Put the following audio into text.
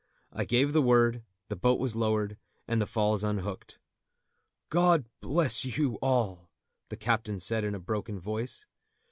I gave the word, the boat was lowered, and the falls unhooked. "God bless you all!" the captain said in a broken voice.